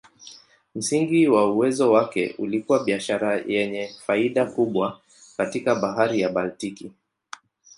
Msingi wa uwezo wake ulikuwa biashara yenye faida kubwa katika Bahari ya Baltiki.